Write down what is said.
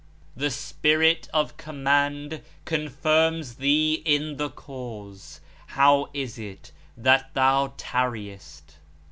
The Spirit of Command confirms thee in the Cause. How is it that thou tarriest